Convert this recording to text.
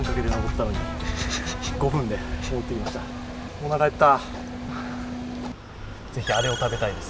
おなか減った。